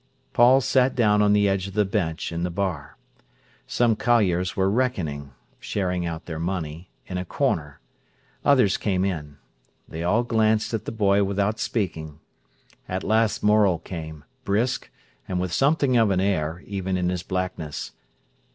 Paul sat down on the edge of the bench in the bar. Some colliers were "reckoning"—sharing out their money—in a corner; others came in. They all glanced at the boy without speaking. At last Morel came; brisk, and with something of an air, even in his blackness.